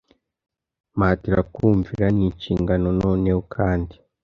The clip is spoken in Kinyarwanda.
mpatira kumvira ni inshingano noneho Kandi